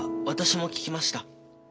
私も聞きました。